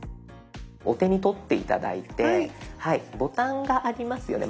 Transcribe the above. お手に取って頂いてボタンがありますよね。